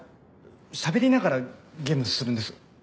しゃべりながらゲームするんです。